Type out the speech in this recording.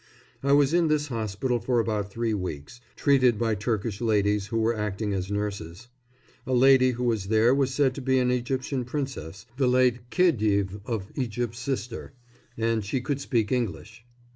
I was in this hospital for about three weeks, treated by Turkish ladies who were acting as nurses. A lady who was there was said to be an Egyptian princess, the late Khedive of Egypt's sister, and she could speak English.